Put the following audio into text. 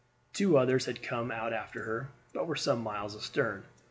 Two others had come out after her, but were some miles astern.